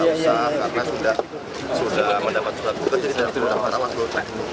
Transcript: tak usah karena sudah mendapat surat tugas jadi sudah dapat